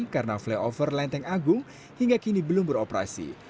karena flyover lenteng agung hingga kini belum beroperasi